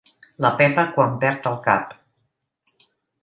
La Pepa quan perd el cap.